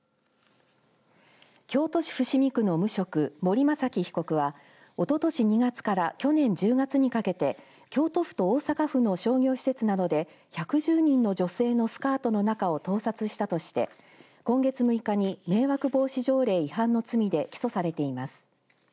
京都市伏見区の無職森雅紀被告はおととし２月から去年１０月にかけて京都府と大阪府の商業施設などで１１０人の女性のスカートの中を盗撮したとして今月６日に迷惑防止条例違反の罪で起訴されています。